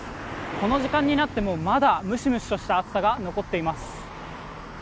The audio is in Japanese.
この時間になってもまだムシムシとした暑さが残っています。